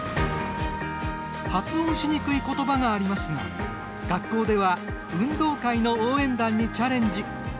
発音しにくいことばがありますが学校では運動会の応援団にチャレンジ。